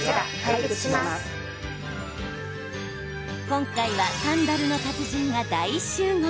今回は、サンダルの達人が大集合。